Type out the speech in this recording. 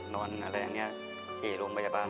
นอนอะไรอย่างนี้ที่โรงพยาบาล